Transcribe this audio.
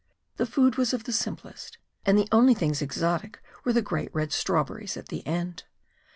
The food was of the simplest, and the only things exotic were the great red strawberries at the end.